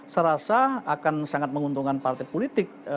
serasa akan sangat menguntungkan partai politik